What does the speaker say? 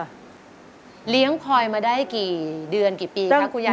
อะเลี้ยงมันมาได้กี่ปีคุณไหว